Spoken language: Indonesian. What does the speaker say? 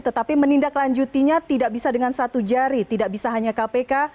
tetapi menindaklanjutinya tidak bisa dengan satu jari tidak bisa hanya kpk